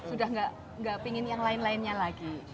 sudah nggak ingin yang lain lainnya lagi